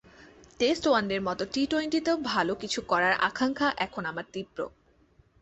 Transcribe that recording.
Test ওয়ানডের মতো টি-টোয়েন্টিতেও ভালো কিছু করার আকাঙ্ক্ষা এখন আমার তীব্র।